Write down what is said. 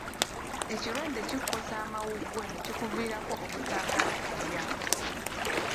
Ekirwadde kikosa amawuggwe ne kiviirako obutaagala kulya.